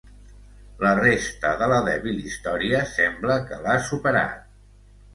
La resta de la dèbil història sembla que l'ha superat.